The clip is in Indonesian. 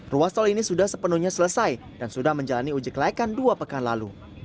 ruas tol ini sudah sepenuhnya selesai dan sudah menjalani uji kelaikan dua pekan lalu